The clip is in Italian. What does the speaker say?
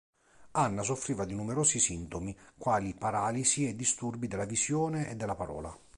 Anna soffriva di numerosi sintomi, quali paralisi e disturbi della visione e della parola.